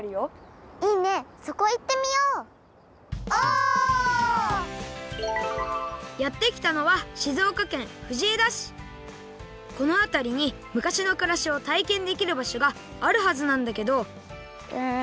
オ！やってきたのはこのあたりに昔のくらしをたいけんできるばしょがあるはずなんだけどうん。